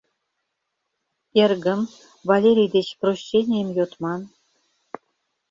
Эргым, Валерий деч прощенийым йодман!